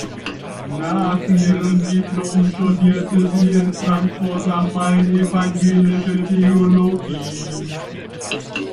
Nach ihrem Diplom studierte sie in Frankfurt am Main evangelische Theologie.